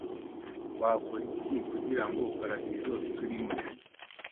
wakora iki kugira ngo paradizo turimo